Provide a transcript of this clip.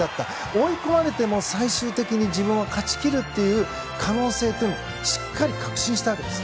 追い込まれていても最終的に自分は勝ち切るという可能性をしっかり確信したわけです。